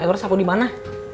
ami egor sapu dimana